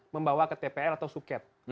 membawa ke tpl atau suket